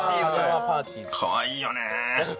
かわいいよねえ。